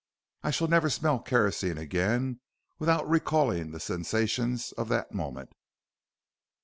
I shall never smell kerosene again without recalling the sensations of that moment.